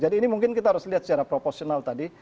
jadi ini mungkin kita harus lihat secara proporsional tadi